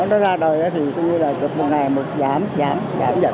nó ra đời thì cũng như là chụp một ngày một giảm giảm giảm dần